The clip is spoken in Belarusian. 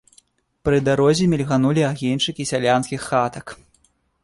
Пры дарозе мільганулі агеньчыкі сялянскіх хатак.